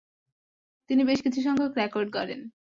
তিনি বেশ কিছুসংখ্যক রেকর্ড গড়েন।